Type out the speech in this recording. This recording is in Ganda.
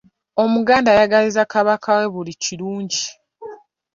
Omuganda ayagaliza Kabaka we buli kirungi.